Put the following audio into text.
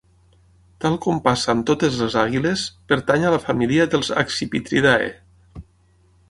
Tal com passa amb totes les àguiles, pertany a la família dels accipitridae.